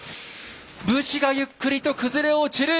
武士がゆっくりと崩れ落ちる。